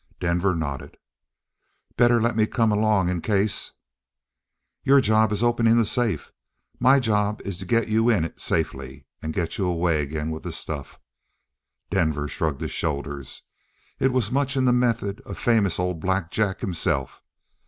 Denver nodded. "Better let me come along. In case " "Your job is opening that safe; my job is to get you to it in safety and get you away again with the stuff." Denver shrugged his shoulders. It was much in the method of famous old Black Jack himself.